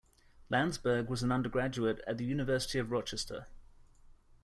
Landsburg was an undergraduate at the University of Rochester.